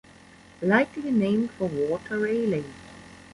Likely named for Walter Raleigh.